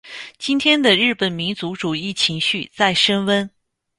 今天的日本民族主义情绪在升温。